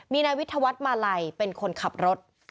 มีนายวิทยาวัฒน์มาลัยเป็นคนขับรถ